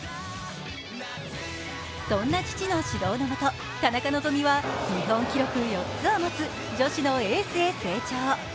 そんな父の指導のもと、田中希実は日本記録４つを持つ女子のエースへ成長。